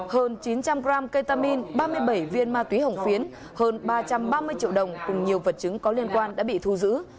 hơn chín trăm linh g ketamine ba mươi bảy viên ma túy hồng phiến hơn ba trăm ba mươi triệu đồng cùng nhiều vật chứng có liên quan đã bị thu giữ